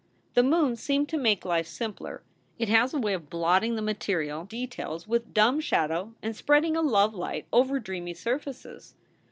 The moon seemed to make life simpler. It has a way of blotting the material details with dumb shadow and spreading a love light over dreamy surfaces.